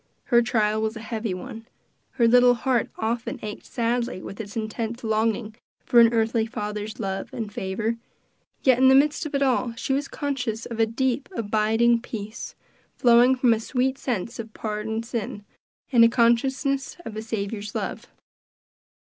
Her trial was a heavy one; her little heart often ached sadly with its intense longing for an earthly father's love and favor; yet in the midst of it all, she was conscious of a deep, abiding peace, flowing from a sweet sense of pardoned sin, and a consciousness of a Saviour's love.